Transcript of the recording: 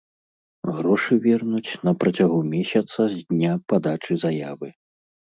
Грошы вернуць на працягу месяца з дня падачы заявы.